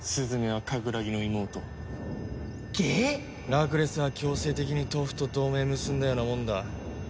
ラクレスは強制的にトウフと同盟結んだようなもんだ。